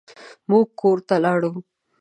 موږ کور ته لاړو.